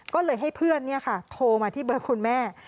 ก็เลยให้เพื่อนโทรมาที่เบอร์คุณแม่